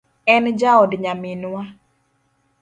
En jaod nyaminwa